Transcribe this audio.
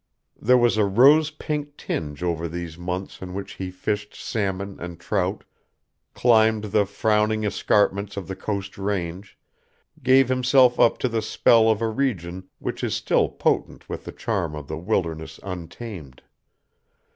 There was a rose pink tinge over these months in which he fished salmon and trout, climbed the frowning escarpments of the Coast Range, gave himself up to the spell of a region which is still potent with the charm of the wilderness untamed.